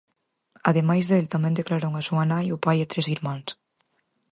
Ademais del, tamén declararon a súa nai, o pai e tres irmáns.